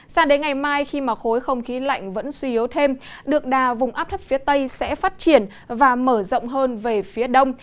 sao đến ngày mai khi mà khối không khí lạnh vẫn suy yếu thêm được đà vùng áp thấp phía tây sẽ phát triển và mở rộng hơn về phía đông